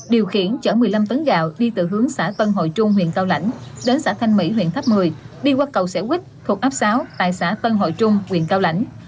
điều khiển chở một mươi năm tấn gạo đi từ hướng xã tân hội trung huyện cao lãnh đến xã thanh mỹ huyện tháp mười đi qua cầu xẻo quýt thuộc áp sáu tại xã tân hội trung huyện cao lãnh